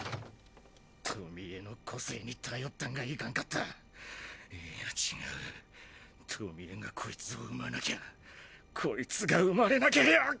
遠見絵の個性に頼ったんがいかんかったいや違う遠見絵がこいつを産まなきゃこいつが産まれなけりゃ！